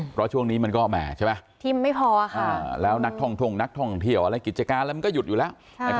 เพราะช่วงนี้มันก็แหมใช่ไหมทิมไม่พอแล้วนักท่องท่งนักท่องเที่ยวอะไรกิจการอะไรมันก็หยุดอยู่แล้ว